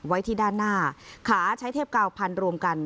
ไว้ที่ด้านหน้าขาใช้เทพกาวพันรวมกัน